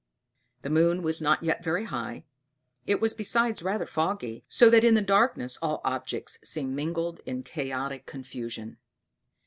The moon was not yet very high; it was besides rather foggy, so that in the darkness all objects seemed mingled in chaotic confusion.